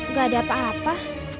gak ada apa apa